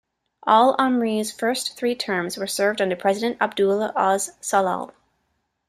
Al-Amri's first three terms were served under President Abdullah as-Sallal.